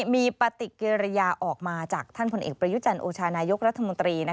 มีปฏิกิริยาออกมาจากท่านพลเอกประยุจันทร์โอชานายกรัฐมนตรี